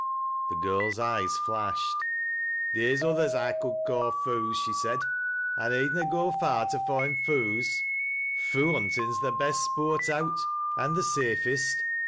The girl's eyes flashed. " Theer's others I could ca' f oo's," she said ;" I need na go far to foind foo's. Foo' huntin's th' best sport out, an' th' safest.